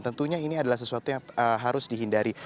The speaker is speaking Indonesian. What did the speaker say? tentunya ini adalah sesuatu yang harus dihindari